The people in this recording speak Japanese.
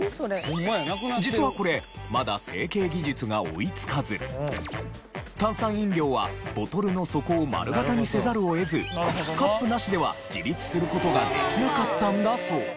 実はこれまだ炭酸飲料はボトルの底を丸型にせざるを得ずカップなしでは自立する事ができなかったんだそう。